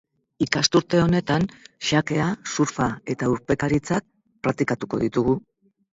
Ikasturte honetan xakea, surfa eta urpekaritza praktikatuko ditugu.